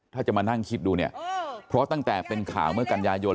ถ้าจะมานั่งคิดดูเนี่ยเพราะตั้งแต่เป็นข่าวเมื่อกันยายน